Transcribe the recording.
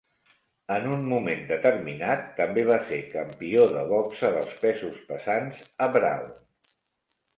En un moment determinat, també va ser campió de boxa dels pesos pesants a Brown.